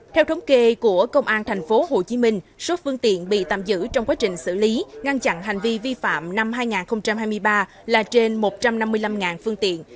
theo thống kê của công an tp hcm số phương tiện bị tạm giữ trong quá trình xử lý ngăn chặn hành vi vi phạm năm hai nghìn hai mươi ba là trên một trăm năm mươi năm phương tiện